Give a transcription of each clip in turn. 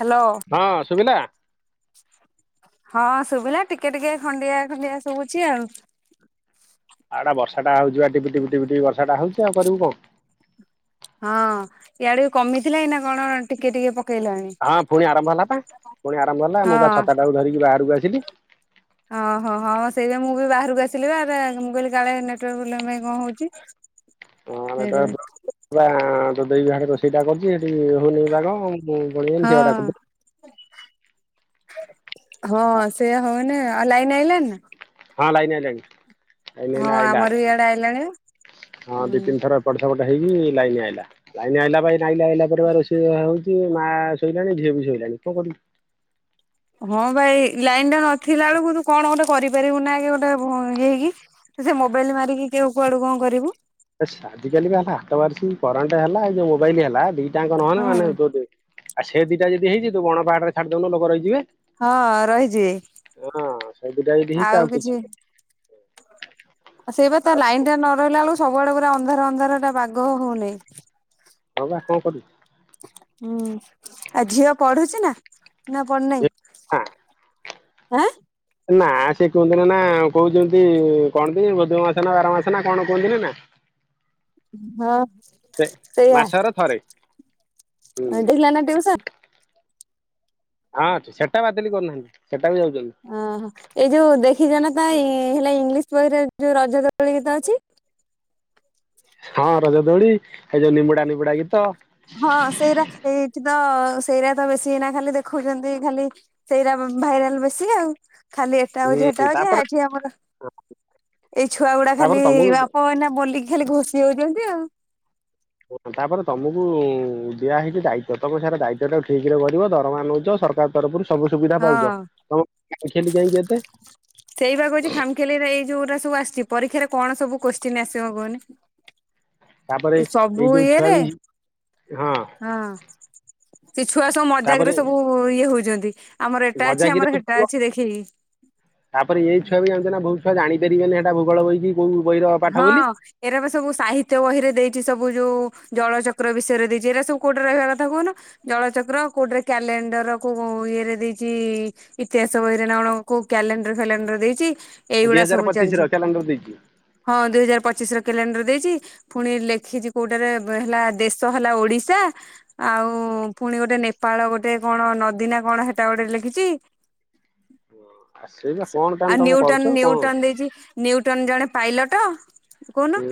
Hello ହଁ ସୁଭିଲା। ହଁ ଶୁଭିଲା ଟିକେ ଟିକେ ଖଣ୍ଡିଆ ଖଣ୍ଡିଆ ସବୁଛି ଆଉ। ଆଟା ବର୍ଷା ଟା ହଉଛି ବା ବର୍ଷା ଟିପି ଟିପି ହଉଛି ଆଉ କରିବୁ କଣ। ହଁ ଇାଡକୁ କମିଥିଲା ଏ ନା କଣ ଟିକେ ଟିକେ ପକେଇଲାଣି। ହଁ ପୁଣି ଆରମ୍ଭ ହେଲା ପା ପୁଣି ଆରମ୍ଭ ହେଲା ମୁଁ ବା ହଁ। ଛଅଟାଟା ବଳକୁ ଧରିକି ବାହାରକୁ ଆସିଲି। ଓହୋ ହଁ ସେଇବୋଇ ମୁଁ ବି ବାହାରକୁ ଆସିଲି ଆ ମୁଁ କହିଲି କାଳେଟ ପାଇଁ କଣ ହଉଛି। ହଁ ନେଟୁଆର୍କ ସେଇଥିପାଇଁ ପୋବେଲେ ତୋ ଦେଇହିଆଡେ ରୋଷେଇଟା କରୁଛି ସେଠି ହଉନି ବା ଗ। କଣ ସିଏପା ହଁ ଡାକୁଥିଲେ। ହଁ ସେ ହଉନି ଆଉ ଲାଇନି ଆଇଲାାଣି ନା? ହଁ ଲାଇନ ଆଇଲନି ହଁ ଏଇନା ଆଇଲା ଆମର ବି ଇଆଡେ ଆଇଲାଣି ହଁ ଦି ହୁଁ। ତିନି ଥର କଟ ହେଇକି ଲାଇନ ଆଇଲା କଟ ଲାଇନ ଆଇଲା ନାଇ ଆଇଲା ଆଇଲାପରେ ରୋଷି ହଉଛି ମା ଶୋଇଲାଣି ଝିଅ ବି। ଇିଲଣି କଣ କରିବୁ। ହଁ ଭାଇ ଲାଇନା ନଥିଲା ବେଳକୁ ତୁ କଣ ଗୋଟେ କରିପାରିବୁ ନା ଗୋଟେ ହେଇକି? ତ ସେ ମୋବାଇଲ ମାରିକି କେଉ କୁଆଡୁ କଣ କରିବୁ। ଆଜିକାଲି ହେଲା ହାତ ବାର କରେଣ୍ଟ ହେଲା ମୋବାଇଲ ହେଲା ତାଙ୍କ ନୁହେ ନା ହଁ ମାନେ ତୋ ଆଉ ସେ ଦିଟା ଯଦ ହେଇଛିୁ ବଣ ପାହା ଛାଡିଦନୁ ଲୋକ ରହିିଯିବେ। ହଁ ରହିଛି ସବିତା ଏଇଠି ହେଇଛି ଆଉ କିଛି ଆଉ ସେଇ ବା ତା ଲାଇନ ଟା ନ ରହିଲା ବେଳ ସବୁବେଡଳେ ପୁରା ଅନ୍ଧାର ଅନ୍ଧାର ଟା ବାଗ ହଉନି। ହଉ ବା କଣ କରିବି। ହୁଁ ଆଉ ଝିଅ ପଢୁଛି ନା ନା ପଢୁନାହିଁ। ହଁ। ନା ସେ କୁହନ୍ତି ନା ନା କହୁଛନ୍ତି କଣନ୍ତି ବୋଧ ମାସ ନା ବାର ମାସ ନା କଣ କୁହନ୍ତି ନା ନା। ହଁ ସେ ସେଇୟଆ। ମାସର ଥରେ ହୁଁ ଥିଲା ନା ଟିଉସନ। ହଁ ଅ ସେଟା ବାଦଲି କରୁନାହାନ୍ତି ସେ ଓହୋ ଏଇ ଯୋଉ ଦେଖ ଦେଖି ଜଣ ତା ହେଲା ଇଂଲିଶ ବହିରେ ଯୋଉ ରଜ ଦୋଳି ଗୀତ ଅଛି। ହଁ ରଜ ଦୋଳି ଏଇ ଯୋଉ ନିମୁଡ଼ା ନିମୁଡ଼ା ଗୀତ ହଁ ସେଇଟା ଏଇଠ ତ ସେଇରା ତ ବେଶୀ ଏଇନା ଖାଲି ଦେଖଉଛନ୍ତି ଖାଲି ସେଇରା ଭାଇରାଲ ବେଶୀ ଆଉ ଖାଲି ଏଟା ହୁଁ ହଉଛି ହେଟା ହଉଛି ତାପରେ ଏଠି ଆମର ଏଇ ଛୁଆ ଗୁଡ଼ା ଖାଲି ତାପରେ ତମକୁ ବାପା ମନା ବଲିକି ଖାଲି ଘୋଷି ହଉଛନ୍ତି ଆଉ ହ ତାପରେ ତମକୁ ଦିଆ ହେଇଛି ଦାୟିତ୍ବ ତମେ ସାରା ଦାୟିତ୍ଵ ଟା ଠିକ ରେ କରିବ ଦରମା ନଉଛ। ସରକାର ତରଫରୁ ସବୁ ସୁବିଧା ପାଉଛ ହଁ। ତମେ କାହିଁକି ଏତେ ସେଇ ବା କ ହଉଛି ଖମଖିଆଲି ନେଇଯାଇଛି ଯୋଉଟା ସବୁ ଆ ପରୀକ୍ଷାରେ କଣ ସବୁ କଶ୍ଚିନ୍ ଆସିବ କହନି? ତାପରେ ଏଇ ସବୁ ଯୋଉ ଛୁଆ ଇଏରେ ବି ହଁ ହଁ ସେ ଛୁଆ ସବୁ ମଜାକ ରେ ସବୁ ଇଏ ହଉଛନ୍ତି। ଆମର ଏଟା ଅଛି ମଜା ଆମର କିରେ ହେଟା ଅଛି ଦେଖେଇକି ତାପରେ ଏଇ ଛୁଆ ବି ଜାଣିଛ ନା ବହୁତ ଛୁଆ ଜାଣି ପାରିବେନି କି ହେଟା ଭୂଗୋଳ ବହି କି? କୋଉ ବହିର ପାଠ ହଁ ବୋଲି। ଏରା ବି ସବୁ ସାହିତ୍ୟ ବହିରେ ଦେଇଛି। ସବୁ ଯୋଉ ଜଳଚକ୍ର ବିଷୟରେ ଦେଇଛି ଏରା ସବୁ କୋଉଠି ରହିବା କଥା କହୁନ ଜଳଚକ୍ର କୋଉଠରେ କ୍ୟାଲେ କ୍ୟାଲେଣ୍ଡର କୋଉ ଇଏରେ ଦେଇଛି ଇତିହାସ ବହିରେ ନା କଣ କ୍ୟାଲେଣ୍ଡର ଫ୍ୟାଲେଣ୍ଡର ଦେଇଛି। ଦି ଏଇଗୁଡ଼ା ହଜାର ସବୁ ଚାଲିଛି। ପଚିଶର କ୍ୟାଲେଣ୍ଡର ଦେଇଛି। ହଁ ଦୁଇ ହଜାର ପଚିଶର କ୍ୟାଲେଣ୍ଡର ଦେଇଛି ପୁଣି ଲେଖିଛି କୋଉଟାରେ ହେଲା ଦେଶ ହେଲା ଓଡ଼ିଶା। ଆଉ ପୁଣି ଗୋଟେ ନେପାଳ ଗୋଟେ କଣ ନଦୀନା କଣ ହେଟା ଗୋଟେ ଲେଖିଛି। ଆ ସେଇବା କଣ ଆ ତାହେଲେ ତମେ ନିଉଟନ କରୁଛ କଣ? ନିଉଟନ ଦେଇଛି ନିଉଟନ ଜଣେ ପାଇଲଟ କହୁନ ହୁଁ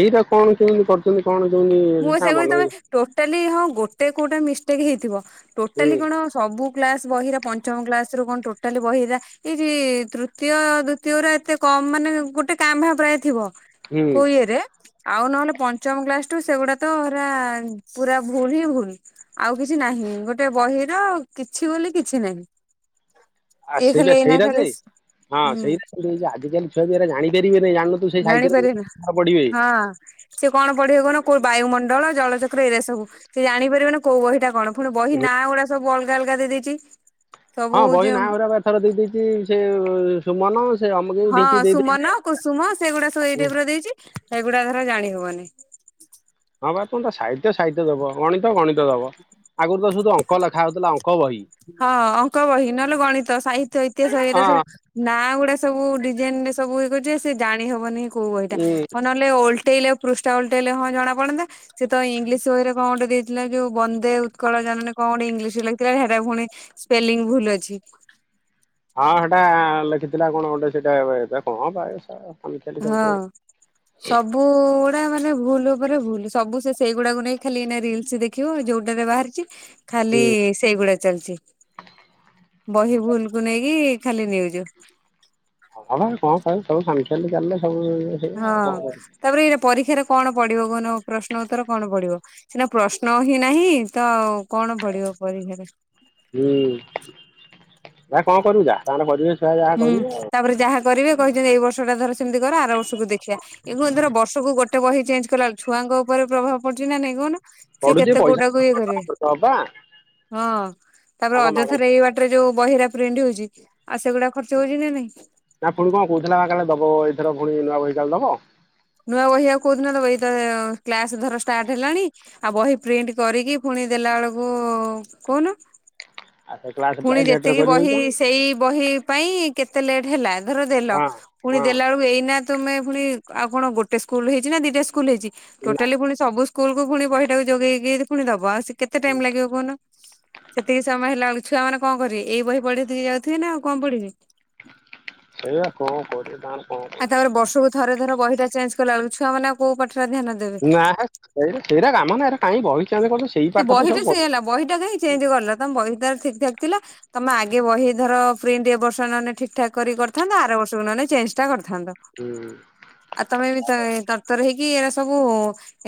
ଏଇଟା କଣ କେମିତି କରୁଛନ୍ତି କଣ କେମିତି ମୁଁ ତା ସେଇ କହୁଛି ମନ ତମେ ହୁଁ ଟୋଟାଲି ହଁ ଗୋଟେ କୋଉଟା ମିଷ୍ଟେକ୍ ହେଇଥିବ ଟୋଟାଲି କଣ ସବୁ କ୍ଲାସ ବହିର ପଞ୍ଚମ କ୍ଲାସରୁ କଣ ଟୋଟାଲି ବହି ଏରା ତୃତୀୟ, ଦ୍ୱିତୀୟ ଗୁରା ଏତେ ମାନେ ଗୋଟେ କାଁ ଭାଆଁ ପ୍ରାୟ ଥିବ ହୁଁ କୋଉ ଇଏରେ ଆଉ ନହେଲେ ପଞ୍ଚମ କ୍ଲାସ ସେଗୁଡ଼ା ତ ହେରା ପୁରା ଭୁଲ ହିଁ ଭୁଲ ଆଉ କିଛି ନାହିଁ ଗୋଟେ ବହିର କିଛି ବୋଲି କିଛି ନାହିଁ। ଆ ଏ ଖାଲି ସେଇ ଏଇନା ସେଇଟା ଖାଲି ଯେ ହଁ ହୁଁ ସେଇ ଆଜିକାଲି ଛୁଆ ବି ଜାଣିପାରିବେନି। ଜାଣିନଥିବୁ ସେଇ ଜାଣିପାରିବେନି ସାହିତ୍ୟରେ ପଢିବେ। ହଁ ସେ କଣ ପଢ଼ିବ କଣ କୋଉ ବାୟୁମଣ୍ଡଳ ଜଳଚକ୍ର ଏରିଆ ସବୁ ସେ ଜାଣିପାରିବେ ନା କୋଉ ବହିଟା କଣ ପୁଣି ବହି ନାଁ ଗୁଡ଼ା ସବୁ ଅଲ ଅଲଗା ଅଲଗା ଦେଇଦେଇଛି। ହଁ ବହି ନାଁ ଗୁରାକ ଏଥର ଦେଇ ଦେଇଛି ସେ ସୁମନ ସେ ଅମକେଇ ହଁ ଢିଙ୍କି ଦେଇ ଦେଇଛି। ସୁମନ, କୁସୁମ ସେଗୁଡ଼ାକ ସବୁ ଏଇ ଟାଇପର ଦେଇଛି ସେଇଗୁଡ଼ା ଧର ଜାଣି ହଉନି। [inaudible] ହଁ ବା ତମେ ତ ସାହିତ୍ୟ-ସାହିତ୍ୟ ଦବ। ଗଣିତ ଗଣିତ ଦବ ଆଗରୁ ତ ସବୁ ଅଙ୍କ ଲେଖା ହଉଥିଲା ଅଙ୍କ ବହି। ହଁ ଅଙ୍କ ବହି ନହେଲେ ଗଣିତ, ସାହିତ୍ୟ, ଇତିହାସ ଏଇଟା ହଁ ସବୁ ନାଁ ଗୁଡ଼ା ସବୁ ଡିଜାଇନ ରେ ସବୁ ସେ ଜାଣି ହବନି କୋଉ ବହିଟା ଉଁ ହଉ ନହେଲେ ଓଲଟେଇଲେ ପୃଷ୍ଠା ଉଲଟେଇଲେ ହଁ ଜଣା ପଡନ୍ତା ସେତ ଇଂଲିଶ ବହିରେ କଣ ଗୋଟେ ଥିଲା ଯୋଉ ବନ୍ଦେ ଉତ୍କଳ ଜନନୀ କଣ ଗୋଟେ ଇଂଲିଶରେ ଲେଖିଥିଲା ଯେ ହେଟା ପୁଣି ସ୍ପେଲିଙ୍ଗ ଭୁଲ ଅଛି। ହଁ ହେଟା ଲେଖିଥିଲା କଣ ଗୋଟେ ସେଇଟା ଏବେ କଣ ପାଇବୁ ସ ହଁ ସବୁ ଟା ମାନେ ଭୁଲ ଉପରେ ଭୁଲ ସବୁ ସେ ସେଇ ଗୁଡ଼ାକୁ ନେଇ ଖାଲି ଏଇନା ରିଲସ୍ ଦେଖିବ ଯୋଉଟାରେ ବାହାରିଛି ଖାଲି ହୁଁ ସେଇଗୁଡ଼ା ଚାଲିଛି। ବହି ଭୁଲକୁୁ ନେଇକି ଖାଲି ନ୍ୟୁଜ୍। ହଁ [unintelligible] କଣ ପାଇବୁ ସବୁ ସାଙ୍ଗ ଖ୍ୟାମ ଖାଲି ଚାଲେ। ହଁ ତାପରେ ଏଇ ପରୀକ୍ଷା ର କଣ ପଡିବ କହୁନ ପ୍ରଶ୍ନ ଉତ୍ତର କଣ ପଡିବ ସିନା ପ୍ରଶ୍ନ ହିଁ ନାହିଁ ତ ଅ କଣ ପଡିବ? ପରୀକ୍ଷା ରେ ହୁଁ ଭାଇ କଣ କରିବୁ ଯା ତାଙ୍କର କରିଵେ। ହୁଁ ତାପରେ ଯାହା କରିବେ। କହିଚନ୍ତି ଏଇ ବର୍ଷ ଟା ତାର ସେମିତି କର ଆର ବର୍ଷକୁ ଦେଖିବା ଏଣୁ ଏଥର ବର୍ଷକୁ ଗୋଟେ ବହି ଚେଞ୍ଜ କଲାବେଳ ଛୁଆଙ୍କ ଉପରେ ପ୍ରଭାବ ପଡୁଛି ନା ନାଇଁ କହୁନ ସିଏ ପଢୁଛି କେତେ ପଇସା କୋଉଟାକୁ ଇଏ କରିବେ। ଦବା ହଁ ତାପରେ ଆଉ କଣ ମାଗଣା ଅଯଥାରେ ଏଇ ବାଟରେ ଯୋଉ ବହିରା ପ୍ରିଣ୍ଟ ହଉଛି ଆଉ ସେଗୁଡା ଖର୍ଚ ହଉଛି ନା ନାଇଁ। ନା ପୁଣି କଣ କହୁଥିଲା ଦବ ଏଥର ପୁଣି ନୂଆ ବହି କାଳେ ଦବ। ନୂଆ ବହି ଆଉ କହୁଦିନ ଦବ ଏଇତ କ୍ଲାସ ଧର ଷ୍ଟାର୍ଟ ହେଲାଣି ଆଉ ବହି ପ୍ରିଣ୍ଟ କରିକି ଫୁଣି ଦେଲା ବେଳକୁ କହୁନ। ଆଉ ସେ କ୍ଲାସ ପୁଣି ପ୍ରାୟ ଲେଟରେ ଯେତିକି କରିବେ କି ବହି କଣ ସେଇ ବହି ପାଇଁ କେତେ ଲେଟ୍ ହେଲା ଧର ଦେଲ ହଁ ପୁଣି ହଁ ଦେଲା ବେଳକୁ ଏଇନା ତମେ ପୁଣି ଆଉ କଣ ଗୋଟେ ସ୍କୁଲ ହେଇଛି ନା ଦିଟା ସ୍କୁଲ ହେଇଛି ନା ଟୋଟାଲି ପୁଣି ସବୁ ସ୍କୁଲ କୁ ପୁଣି ବହିଟାକୁ ଯୋଗେଇକି ପୁଣି ଦବା ଆଉ କେତେ ଟାଇମ ଲାଗିବ କହୁନ? ସେତିକି ସମୟ ହେଲା ବ ଛୁଆମାନେ କଣ କରିବେ ଏଇ ବହି ପଢ଼ି ଦେଇ ଯାଉଥିବେ ନା ଆଉ କଣ ପଢିବେ। ସେଇଆ କଣ କରିବେ ତାଙ୍କର କଣ ଆଉ ତାପରେ ବର୍ଷକୁ ଥରେ ଧର ବହି ଟା ଚେଞ୍ଜ କଲା ବେଳକୁ ଛୁଆ ମାନେ ଆଁ କୋଉ ପା ନା ସେଇ ସେଇଟା କାମ ନା ଏଇଟା କାଇଁ ବହି ଚେଁ ସେ ବହି ଟା ସେଇ ହେଲା ବହିଟା କାଇଁ ଚେଞ୍ଜ କଲ ତମ ବହି ତ ଠିକ ଠାକ ଥିଲା ତମେ ଆଗେ ବହି ଧର ପ୍ରିଣ୍ଟ ଏ ବର୍ଷ ନହେନେ ଠିକଠାକ୍ କରିଥାନ୍ତା ଆର ବର୍ଷକୁ ନ ହେଲେ ଚେଞ୍ଜ ଟା କରି ଥାନ୍ତ ହୁଁ ଆଉ ତମେ ବି ତ ଏଇ ତର ତର ହେଇକି କି ଏରା ସବୁ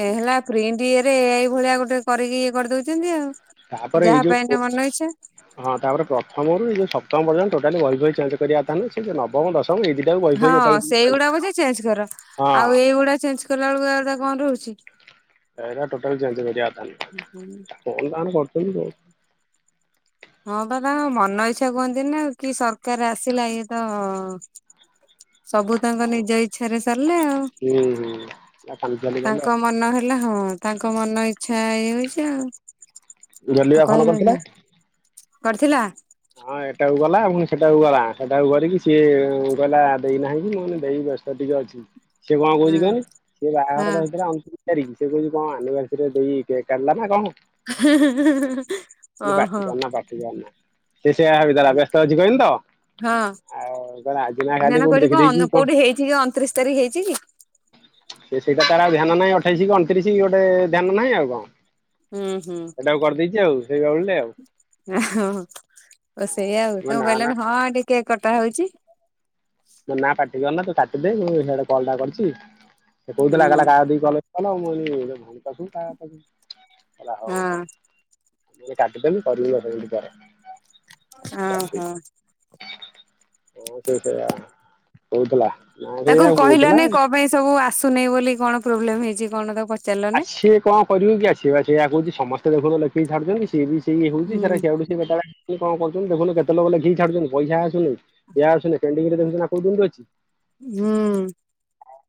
ହେଲା ପ୍ରିଣ୍ଟ ଇଏ ରେ ଏଇଭଳିଆ ଗୋଟେ କରିକି ଇଏ କରିଦଉଛନ୍ତି ଆଉ। ତାପରେ ଏଇ ଯାହା ଯୋଉ ପାଇନେ ମନ ଇଚ୍ଛା ହଁ ତାପରେ ପ୍ରଥମରୁ ଏଇ ଯୋଉ ଷ୍ଟମ ପଯ୍ୟନ୍ତ ଟୋଟାଲି ବହି ଫଇ ଚେଞ୍ କରିବା କଥା ନୁହଁ ସେ ଯଉ ନବମ ଦସ ହଁ ସେଇଗୁଡାକ ଯେ ଚେଞ୍ଜ କର। ହଁ ଆଉ ଏଇଗୁଡା ଚେଞ୍ଜ କଲା ବେଳକୁ ଆଉ ହଁ ରହୁଛି। ଏରା ଟୋଟାଲ ଚେଞ୍ଜ କରିବା କଥାନୁହ। କଣ ଟା ଆମେ କରୁଛନ୍ତି ଆଉ। ହଁ ବା ତାଙ୍କ ମନ ଇଚ୍ଛା କୁହନ୍ତିନି ଆଉ କି ସରକାର ଆସିଲା ଇଏ ତ ସବୁ ତାଙ୍କ ହଁ ନିଜ ଇଛାରେ ସାରିଲେ ଆଉ। ହୁଁ ହୁଁ ଆ କାଲି ଗଲା ତାଙ୍କ ମନ ହେଲା ହଁ ତାଙ୍କ ମନ ଇଚ୍ଛା ଇଏ ହୋଉଛି ଆଉ। ଆଉ ଜଲିଆ ଫୋନ କହିବେ କରିଥିଲା? କଣ କରିଥିଲା? ସେଇଟାକୁ ଗଲା ଏବଂ ସେଟାକୁ ଗଲା ସେଟାକୁ କରିକି ସିଏ କହିଲା ଦେଇନାହିଁ କି ମାନେ ଦେଇ ବ୍ୟସ୍ତ ଟିକେ ଅଛି। ସେ କଣ କହୁଛି ହଁ କହନି ସେ ବାହାଘର ତା ହଁ ଭିତରେ ଆଣୁଛନ୍ତି ଫେରିକି। ସେ କହୁଛି କଣ ଆନିବର୍ସରୀ ଦେଇ କେକ କାଟିଲା ନା କଣ? କହିନି ପାଟି ଓହୋ କରନା ପାଟି କରନା। ସେ ସେଆ ଭାବି ଦେଲା ବ୍ୟସ୍ତ ଅଛି କହିନି ତ ହଁ ଆଉ ହ ଆଜିନା ନା କାଲି ନା କୋଉଠି କହିଲି ଦେଖିଦେଇଛି କଣ କୋଉଠି ହେଇଛି କି ଅଣତିରିଶ ତାରିଖ ହେଇଛି କି? ସେ ସେଇଟା ତାର ଆଉ ଧ୍ୟାନ ନାହିଁ ଅଠେଇଶି କି ଅଣତିରିଶି ଗୋଟେ ଧ୍ୟାନ ନାହିଁ ଆଉ କଣ। ହୁଁ ହୁଁ। ସେଇଟାକୁ କରିଦେଇଛି ଆଉ ସେଇ ବାଉଳିରେ ଆଉ ଓ ସେଇଆ ଆଉ ମୁଁ ତମେ ନା ନା କହିଲନି ହଁ ଏଠେ କେକ କଟା ହଉଛି। କହିଲି ନା ପାଟି କରନା ତୁ କାଟିଦେ ମୁଁ ହିଆଡୁ କଲ ଟା କରିଛି। ସେ କହୁଥିଲା କଲା ହଁ କାହାକତିକି କଲ କଲ ମୁ କହିଲି ଭଉଣୀ ପାଖକୁ କାହା ପାଖକୁ କହିଁଲା ହଉ ହଉ। ମୁ କହିଲି କାଟି ଦେ ମୁଁ କରିବି ଦଶ ମିନିଟ୍ ପରେ। ଅଁ ହୋ। ହ ସେ ସେଇଆ କହୁଥିଲା ନା ତାକୁ ସେଇଆ କହୁଥିଲା କହିଲନି କଣ ପାଇଁ ସବୁ ଆସୁନି ବୋଲି କଣ ପ୍ରୋବ୍ଲେମ ହେଇଛି କଣ ତାକୁ ଆ ପଚାରିଲନି? ସିଏ କଣ କରିବ କି ଆ ସିଏ ବା ସେଇଆ କହୁଛି ସମସ୍ତେ ଦେଖୁ ଲେଖେକି ଛାୁଡୁଛନ୍ତି ସିଏ ବି। ସେ ଇଏ ହଉଛି ହୁଁ ସେରା ସିଆଡୁ ସିଏ [unintelligible] କିଏ କଣ କରୁଛନ୍ତି ଦେଖୁନୁ କେତେ ଲୋକ ଲେଖିକି ଛାଡୁଚନ୍ତି। ପଇସା ଆସୁନି ଇଆ ଆସୁନି। ପେଣ୍ଡିଙ୍ଗରେ ଦେଖୁଛନା କୋଉ ଦିନଠୁ ଅଛି? ହୁଁ।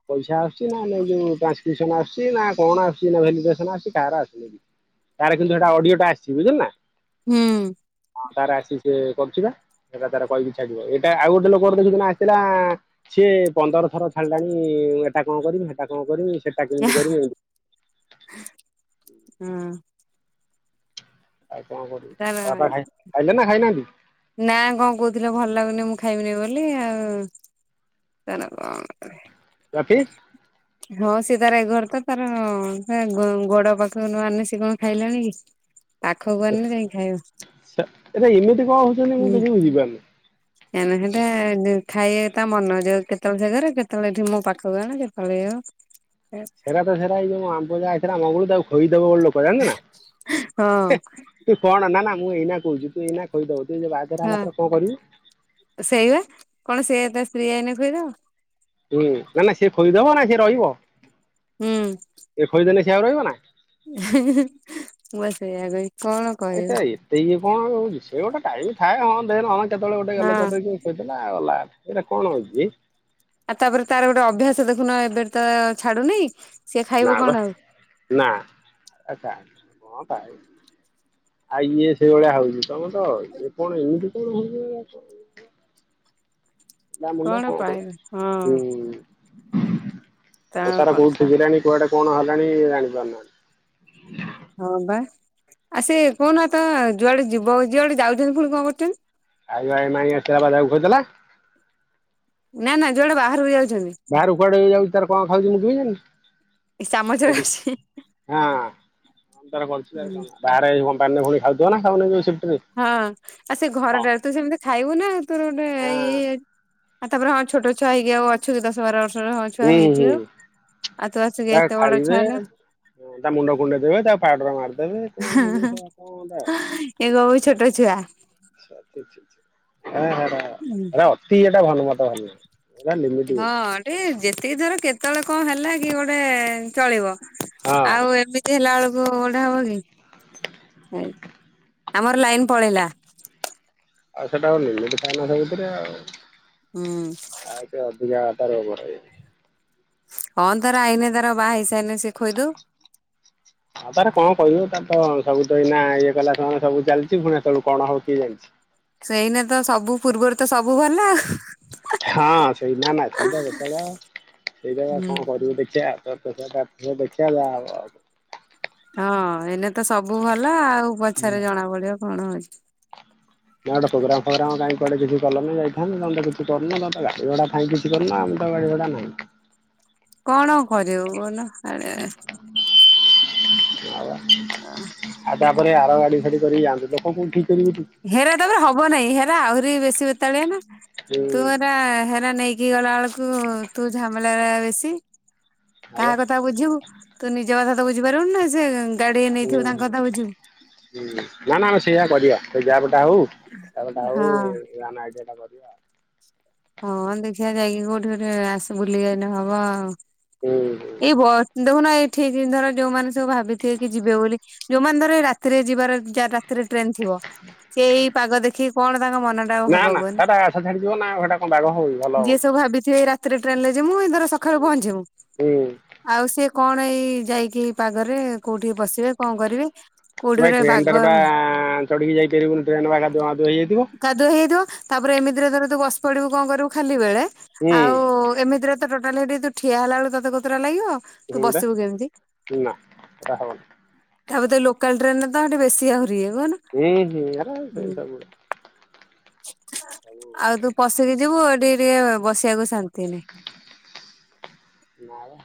ପଇସା ଆସୁଛି ନା ଲୋ ଯୋଉ ଟାନ୍ସକ୍ରିପସନ ଆସୁଛି ନା କଣ ଆସୁଛି ନା ଆ କାହାର ଆସୁନେ ତାର କିନ୍ତୁ ହେଇଟା ଅଡିଓ ଟା ଆସିଛି ବୁଝିଲୁ ନା? ହୁଁ। ହଁ ତାର ଆସିଚି ସିଏ କରୁଚିପା। ସେଟା ତାର କହିକି ଛାଡିବ ଏଇଟା ଆଉ ଗୋଟେ ଲୋକର ଦେଖିଛୁ ନା ଆସିଥିଲା ସିଏ ପନ୍ଦର ଥର ଛାଡ଼ିଲାଣି ଏଟା କଣ କରିମି ହେଟା କଣ କରୀମି ସେଟା କେନ୍ଟି କରିମି ସେଟା କେମିତି କରମି ଏମିତି ହଁ। ଆଉ କଣ କରିବି। ତାର ବାପା ଖାଇ ଖାଇଲେ ନା ଖାଇନାହାନ୍ତି ନା କଣ କହୁଥିଲେ ଭଲ ଲାଗୁନି ମୁଁ ଖାଇବିନି ବୋଲି। ଲି ଆଉ। ତାର କଣ କହିବି। ବର୍ଫି? ହଁ ସିଏ ତାର ଏ ଘରତ ତାର ସେ ଗୋ ଗୋଡପାଖ ନଆନିନେ ସ କଣ ଖାଇଲାଣିକି। ସ ସଅ ଏଟା ଏମିତି କଣ ହଉଛନ୍ତି ମୁଁ କିଛି ବୁଝିପାରୁନି। କାହିଁନା ହେଟା ଦୁ ଖାଇ ତା ମନଯ କେତେବେଳେ ସେଘରେ କେତେବେଳେ ଏଠି ମୋ ପାଖକୁ ଆଣ କେତେବେଳେ ଆଉ ସେଇଟା ତ ସେଟା, ଏଇ ଯୋଉ ଆମ୍ବ ଯାଆଇଥିଲା ମଙ୍ଗୁଳୁ ତାକୁ ଖୋ ବ ଲୋକ ଜାଣିଚୁନା, ହଁ ତୁ କଣ ନା-ନା ମୁଁ ଏଇନା କହୁଛିୁ ତୁ ଏଇନା ଖୋଇଦବୁ। ସେଯୋଉ [unintelligible] ଙ୍କର ହଁ କନକରିବୁ। ସେଇବା କଣ ସେଏ ତା ସ୍ତ୍ରୀ ଆଇଲେ ଖୁଆଇଦବନି। ହୁଁ ନା-ନା ସେ ଖଇଦବନା ସେ ରହିବ, ହୁଁ। ସେ ଖୋଇଦଲେ ସେ ଆଉ ରହିବ ନା। [unintelligible] ମୁଁ ବା ସେଇଆ କହିଲି। ଆ ଏଟା ଏତେ ଇଏ କଣ ହଉଚି, ସେ ଗୋଟେ ଟାଇଏମ୍ ଥାଏ ହଁ ଦେ ହ କେତେବେଳେ ଗୋଟେ ହଁ [unintelligible] ଗଲା ଏଇଟା କଣ ହଉଛି? ଆଉ ତାପରେ ତାର ଗୋଟେ ଅଭ୍ୟାସ ଦେଖୁନ ଏବେ ତ ଛାଡୁନି ସିଏ ଖାଇବ ନାବା, କଣ ଆଉ ନା ଆଚ୍ଛା। ହଁ, ଆଉ ଇଏ ସେଇଭଳିଆ ହଉଛି ତମେତ, ଇଏ କଣ ଏମିତି [inaudible] ନା ମୁଣ୍ଡ କଣ ପାଇବ [unintelligible] ହୁଁ। ହଁ ତା ହସାରା କଥା କୋଉଠିିବିଲଣି କୁଆଡେ କଣ ହେଲାଣି ଜାଣି ପାରୁନାହାନ୍ତି। ହଁବା, ଆସେ କଣନାତ ଯୁଆଡେ ଯିବ ଯୁଆଡେ ଯାଉଛନ୍ତି ପୁଣି କଣ କରୁଛନ୍ତି? ଆାଇ ଭାଇ [inaudible] ନା-ନା ଯୋଡେ ବାହାରକୁ ଯାଉଛି। ବାହାରକୁ କୁଆଡେ ଯାଉଛି ତାର କଣ ଖାଉଛି ମୁଁ କେମିତି ଯାଣିବି? ଇସାମ ଜଛି। କ ତ କରୁ କଣ, ବାହାରେ କମ୍ପାନୀର ପୁଣି ଖାଉଥିବ ନା ଖାଉନ ଯଉ ହଁ, ଆଉ ସେଘରଟଡାରେ ତୁ ସେମିତି ଖାଇବୁ ନା ତୋରଗୋଟେ ଇଏ ଆଉ ତାପରେ ହଁ ଛୋଟ ଛୁଆ ହେଇକି ଆଉ ଅଛ କି ଦଶବାର ବର୍ଷର ହଁ ଛୁଆ ହୁଁ ହୁଁ ହେଇଥିଲୁ ଆ ତୁ ଅସ ଏତେବଡ ଛୁଆ ହ ତା ମୁଣ୍ଡ କୁଣ୍ଡେଇ ଦେବେ, ତାପାହାଡରେ ମାରିଦେବେ କଣ କୋ ଇଏ କହିବୁ ଛୋଟ ଛୁଆ। [inaudible] ଅତି ଇଏ ଭଲ ମତ ଭଲ ଏରା ଲିମିଟ ହଁ ଗୋଟେ ଟିକେ ଯେତିକିଧର କେତେବେଳେ କଣ ହେଲା କି ଗୋଟେ ଚଳିବ। ହଁ ଆଉ ଏମିତି ହେଲାବେଳକୁ ଗୋଟେ ହବକି, ଆମର ଲାଇନ ପଳେଇଲା। ଆଉ ସେଟା ଆ ନିମତି ନ ସେ ଭିତରେ ଆଉ, ହୁଁ ଆଉ ଅଧିକା ତାର ଓଭର ହ ତାର ଆଇନେ ତାର ବା ହେଇ ହଁ ତାର କଣ କରିବ ତା ହଁ ସବୁ ତ ଏଇ ନା ଇଏ କଲା ସମୟ ସବୁ ଚାଲିଛି ପୁଣି ସେତେବେଳେକୁ କଣ ହବ କିଏ ଜାଣିଛି? ସେଇନ ତ ସବୁପୂର୍ବରୁ ତ ସବୁ ଭଲ ହଁ ସେଇଟ ନାଁ ସେଇଟା [unintelligible] ସେଇଟା ହୁଁ। କଣ କରିବୁ ଦେଖିଆ ତ ଟା ଦେଖିଆ ଆଉ ଯାହା ହବ। ହଁ ଏଇନେ ତ ସବୁ ଭଲ ଆଉ ପଛରେ ଜଣା ପଡିବ କଣ ହଉଛି? ନାଁ ଗୋଟେ ପ୍ରୋଗ୍ରାମ ଫ୍ର କାଇଁ କୁଆଡେ କିଛି କଲନି ଯାଇଥାନ୍ତ ତମେ କିଛି କରୁନ ତମର ଗାଡ଼ି ଘୋଡ଼ା ଥାଇକି କିଛି କରୁନ ଆଉ। ଗାଡ଼ି ଘୋଡ଼ା ନାହିଁ। କଣ ଆଉ କରିବୁ କହୁନ ଆରେ ଆଉ ତାପରେ ଆର ଗାଡି ଫାଡି କରିକି ଯାଆନ୍ତୁ ଲୋକ କୋଉଠି କରିବେ କି? ହେରା ତାପରେ ହବ ନାଇଁ ହେରା ଆହୁରି ବେଶୀ ବେତାଳିଆ ନା ହୁଁ ତୁ ଏରା ହେରା ନେଇକି ଇକି ଗଲା ବେଳକୁ ତୁ ଝାମେଲା ବେଶି। ହଁ କାହା ବା କଥା ବୁଝିବୁ ତୁ ନିଜ କଥା ତ ବୁଝିପାରିବୁନି ନା। ସେ ଗାଡି ନେଇଥିବୁ ତାଙ୍କ କଥା ବୁଝିବୁ। ହୁଁ-ହଁ-ହଁ ନା-ନା ସେଇଆ କରିବା ଯା ପ ଟା ହଉ ତାପଟ ହଁ ହଉା ଆମେ ଆଇଡ଼ିଆ ଟା କରିବା। ହଁ ଦେଖିଆ ଯାଇକି କୋଉଠି ଗୋଟେ ଆସ ବୁଲି ଗଲେ ହବ ଆଉ। ହୁଁ ହୁଁ। ଏଇ ବ ଦେଖୁନ ଏଇଠିକ ଧର ଯୋଉମାନେ ସବୁ ଭାବିଥିବେ କି ଯିବେ ବୋଲି ଯୋଉମାନେ ଧର ଏଇ ରାତିରେ ଯିବାର ଯା ରାତିରେ ଟ୍ରେନ ଥିବ ସେ ଏଇ ପାଗ ଦେଖି କଣ ତାଙ୍କ ମନ ଟା ଆଉ ନା ହବ ନା କୁହନି। ହେଟା ଆଶା ଛାଡିଯିବ ନା ହେଟା କଣ ବାଗ ହବ କି ଭଲ ଯିଏ ହବନି ସବୁ ଭାବିଥିବେ ଏଇ ରାତିରେ ଟ୍ରେନରେ ଯିମୁ ଧର ସକାଳୁ ପହଞ୍ଚିବୁ ହୁଁ। ଆଉ ସେ ସେ କଣ ଏଇ ଯାଇକି ଏଇ ପାଗରେ କୋଉଠିକି ବସିବେ କଣ କରିବେ। କୋଉଠି ତୁ ଭାଇ ଗୋଟେ ବାଗ ଟ୍ରେନଟାରେ ବା ଚଢି଼କି ଯାଇପାରିବୁନି [unintelligible] ହେଇଯାଇଥିବ। କାଦୁଅ ହେଇଯାଇଥିବ ତାପରେ ଏମିତିରେ ଧର ତୁ ବସ ପଡିବୁ କଣ କରିବୁ ଖାଲି ବେଳେ ହୁଁ ଆଉ ଏମିତିରେ ତ ଟୋ ହେଠି ତ ଠିଆ ହେଲା ବେଳେ ତତ କୋତରା ଲାଗିବ। ତୁ ହୁଁ ବସିବୁ କେମିତି [unintelligible] ନା ଏରା ହବନି। ତାପରେ ତ ଲୋକାଲ ଟ୍ରେନରେ ତ ହେଠି ବେଶୀ ଆଉ। [unintelligible] ଆଉ ତୁ ପଶିକି ଯିବୁ ଟିକେ ଟିକେ ବସିବାକୁ ଶାନ୍ତି ନାହିଁ। ନାଇଁ।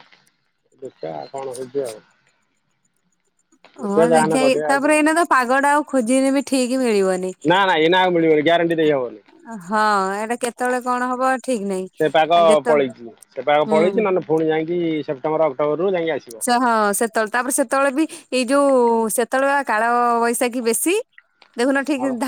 ଦେଖିଆ କଣ ହଉଛି ଆଉ। ଦେଖିବା ହଁ ଯାହାହେଲେ ଦେଖିବା ଏଇ କରିବା ଆଉ ତାପରେ ଏଇନା ତ ପାଗ ଟା ଆଉ ଖୋଜିନେ ବି ଠିକ୍ ନା ନା ଏଇ ନା ଆଉ ମିଳିବନି ଗ୍ୟାରଣ୍ଟି ହଁ ହେଟା କେତେବେଳେ କଣ ହବ? ଠିକ ନାହିଁ। ସେ ପାାଗ ଆଉ ଯେତ ପଳେଇଛି ସେ ପାାଗ ହୁଁ ପଳେଇଛି ନହେଲେ ପୁଣି ଯାଇକି ସେପ୍ଟେମ୍ବର ଅକ୍ଟୋବର ସେ ହଁ ସେତେବେଳେ ତାପରେ ସେ ସେତେବେଳେ ବି ଏଇ ଯୋଉ ସେତେବେଳେ କାଳ ବୈଶାଖୀ ବେଶୀ ଦେଖୁନ ଠିକ୍ ହଉ ଧା